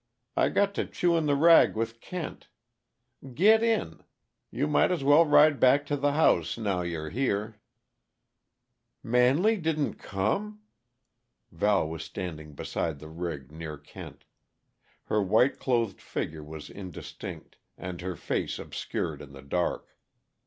I got to chewin' the rag with Kent. Git in; you might as well ride back to the house, now you're here." "Manley didn't come?" Val was standing beside the rig, near Kent. Her white clothed figure was indistinct, and her face obscured in the dark.